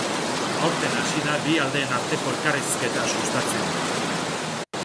Aurten hasi da bi aldeen arteko elkarrizketa sustatzen.